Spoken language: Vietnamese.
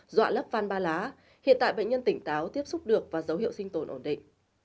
dọa lớp phan ba lá hiện tại bệnh nhân tỉnh táo tiếp xúc được và dấu hiệu sinh tồn ổn định